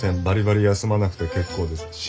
バリバリ休まなくて結構です。